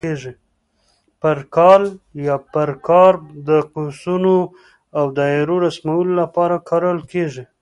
پر کال یا پر کار د قوسونو او دایرو د رسمولو لپاره کارول کېږي.